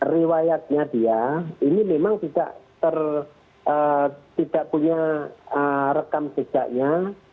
riwayatnya dia ini memang tidak punya rekam jejaknya